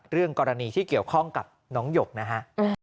เรื่องกรณีที่เกี่ยวข้องกับน้องหยกนะฮะ